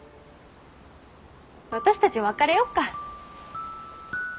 私たち別れよっか。